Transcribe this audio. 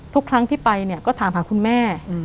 ทุกครั้งที่ไปเนี่ยก็ถามหาคุณแม่